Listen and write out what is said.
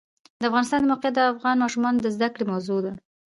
د افغانستان د موقعیت د افغان ماشومانو د زده کړې موضوع ده.